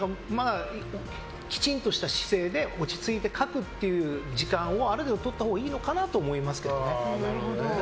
きちんとした姿勢で落ち着いて書くという時間をある程度とったほうがいいのかなと思います。